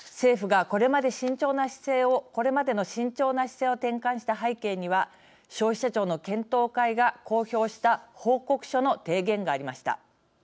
政府がこれまでの慎重な姿勢を転換した背景には消費者庁の検討会が公表した報告書の提言がありました。